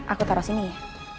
aku taruh sini ya